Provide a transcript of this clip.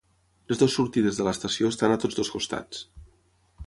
Les dues sortides de l'estació estan a tots dos costats.